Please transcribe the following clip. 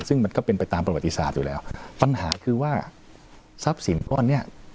ซึ่งมันก็เป็นไปตามประวัติศาสตร์อยู่แล้วปัญหาคือว่าทรัพย์สินก้อนเนี้ย